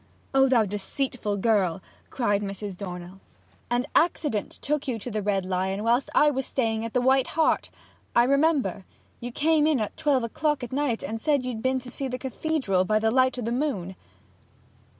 'O thou deceitful girl!' cried Mrs. Dornell. 'An accident took you to the Red Lion whilst I was staying at the White Hart! I remember you came in at twelve o'clock at night and said you'd been to see the cathedral by the light o' the moon!'